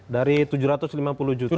dari tujuh ratus lima puluh juta